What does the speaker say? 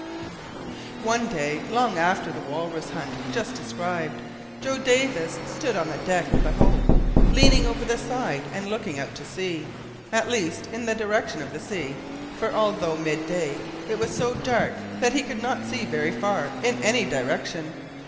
One day, long after the walrus hunt just described, Joe Davis stood on the deck of the Hope, leaning over the side and looking out to sea at least in the direction of the sea, for, although mid day, it was so dark that he could not see very far in any direction.